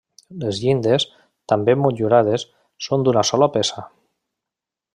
Les llindes, també motllurades, són d'una sola peça.